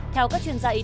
theo các chuyên gia y tế